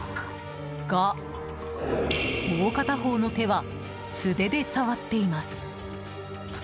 が、もう片方の手は素手で触っています。